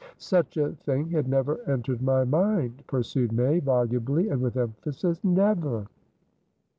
"Such a thing had never entered my mind," pursued May, volubly and with emphasis. "Never!"